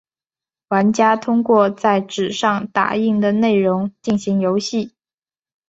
玩家通过在纸上打印的内容进行游戏。